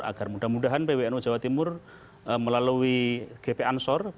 agar mudah mudahan pwnu jawa timur melalui gp ansor